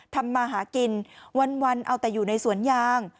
ทำมาหากินวันเอาแต่อยู่ในสวนยาง